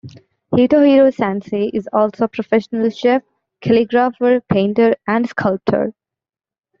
Hitohiro Sensei is also a professional chef, calligrapher, painter, and sculptor.